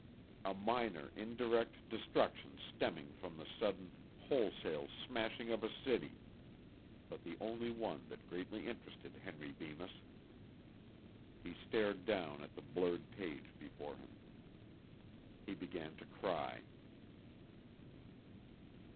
A minor, indirect destruction stemming from the sudden, wholesale smashing of a city. But the only one that greatly interested Henry Bemis. He stared down at the blurred page before him. He began to cry.